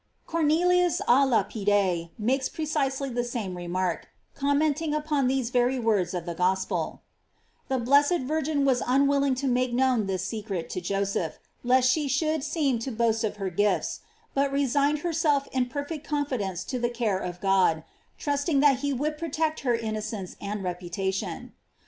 Cor nelius a Lapide makes precisely the same remark, commenting upon these very words of the Gospel: The blessed Virgin was unwilling to make known this secret to Joseph, lest she should seem to boast of her gifts, but resigned herself in perfect confidence to the care of God, trusting that he would protect her innocence and reputation.